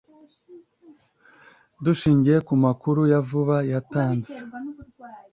dushingiye ku makuru ya vuba yatanze